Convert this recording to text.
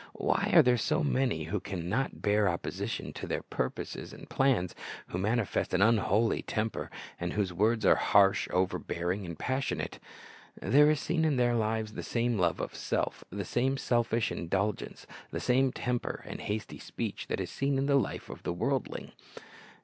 Why are there so many who can not bear opposition to their purposes and plans, who manifest an unholy temper, and whose words are harsh, overbearing, and passionate? There is seen in their lives the same love of self, the same selfish indulgence, the same temper and hasty speech, that is seen in the life of the worldling.